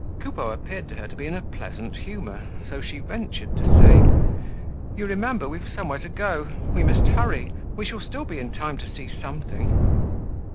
Coupeau appeared to her to be in a pleasant humor, so she ventured to say: "You remember, we've somewhere to go. We must hurry. We shall still be in time to see something."